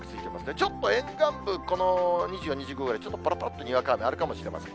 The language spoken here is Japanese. ちょっと沿岸部、この２４、２５ぐらい、ちょっとぱらぱらっとにわか雨あるかもしれません。